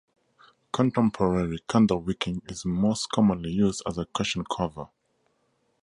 Contemporary candlewicking is most commonly used as a cushion cover.